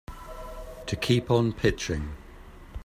To keep on pitching.